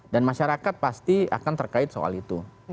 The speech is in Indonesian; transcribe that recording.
dan masyarakat pasti akan terkait soal itu